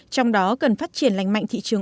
trong đó cần phát triển lành mạnh thị trường